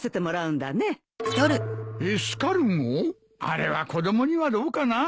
あれは子供にはどうかな。